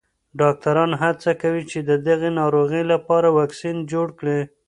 ډاکټران هڅه کوي چې د دې ناروغۍ لپاره واکسین جوړ کړي.